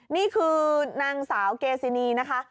นี่คือนางสาวเกซินีนะคะ